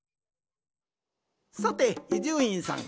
さて伊集院さん。